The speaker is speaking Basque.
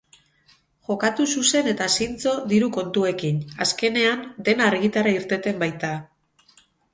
Jokatu zuzen eta zintzo diru kontuekin, azkenean dena argitara irteten baita.